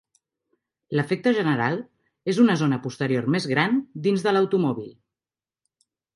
L'efecte general és una zona posterior més gran dins de l'automòbil.